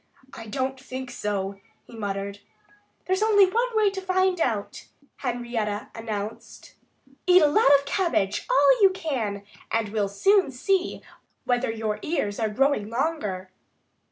"I don't think so," he muttered. "There's only one way to find out," Henrietta announced. "Eat a lot of cabbage all you can! And we'll soon see whether your ears are growing longer."